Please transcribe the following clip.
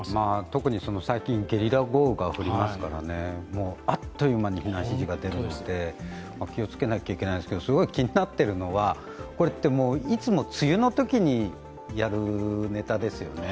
特に最近ゲリラ豪雨が降りますからあっという間に避難指示が出ますので気をつけなきゃいけないんですけど、すごい気になっているのは、これって、いつも梅雨のときにやるネタですよね。